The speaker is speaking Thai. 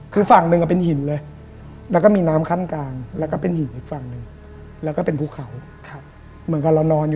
คือฝั่งหนึ่งอะเป็นหินเลย